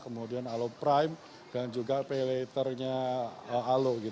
kemudian alo prime dan juga paylaternya alo